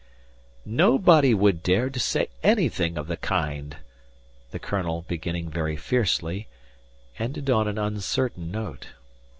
"Nobody would dare to say anything of the kind," the colonel, beginning very fiercely, ended on an uncertain note.